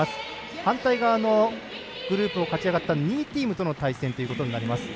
反対側のグループを勝ち上がった２位チームとの対戦ということになります。